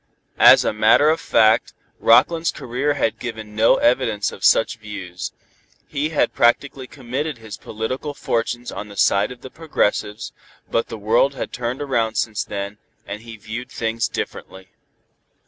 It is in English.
As a matter of fact, Rockland's career had given no evidence of such views. He had practically committed his political fortunes on the side of the progressives, but the world had turned around since then, and he viewed things differently.